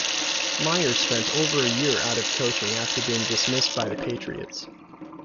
Meyer spent over a year out of coaching after being dismissed by the Patriots.